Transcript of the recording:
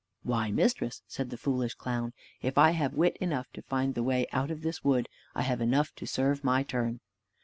"Why, mistress," said the foolish clown, "if I have wit enough to find the way out of this wood, I have enough to serve my turn."